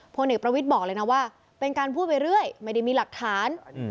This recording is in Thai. พลเอกประวิทย์บอกเลยนะว่าเป็นการพูดไปเรื่อยไม่ได้มีหลักฐาน